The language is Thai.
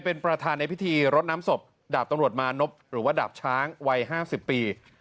เป็นประธานในพิธีรดน้ำศพดาบตำรวจมานพหรือว่าดาบช้างวัย๕๐ปี